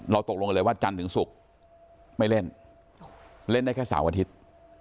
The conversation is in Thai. ตกลงกันเลยว่าจันทร์ถึงศุกร์ไม่เล่นเล่นได้แค่เสาร์อาทิตย์